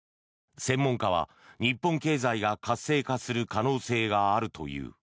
専門家は日本経済が活性化する可能性があるという。